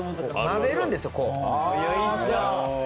混ぜるんですよ、こう。